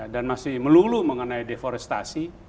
dan masih melulu mengenai deforestasi